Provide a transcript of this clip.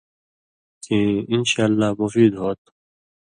کھیں انشاءاللہ مفید ہوتُھو۔